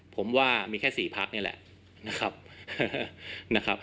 ผมว่ามีแค่๔พักนี่แหละนะครับ